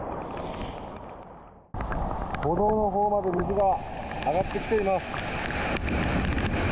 歩道のほうまで水が上がってきています。